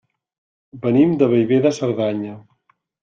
Venim de Bellver de Cerdanya.